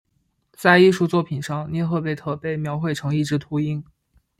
在艺术作品上涅赫贝特被描绘成一只秃鹰。